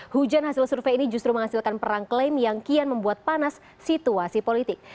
hujan hasil survei ini justru menghasilkan perang klaim yang kian membuat panas situasi politik